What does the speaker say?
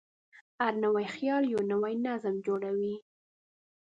هر نوی خیال یو نوی نظم جوړوي.